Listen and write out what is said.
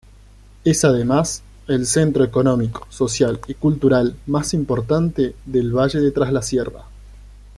Es además el centro económico, social y cultural más importante del Valle de Traslasierra.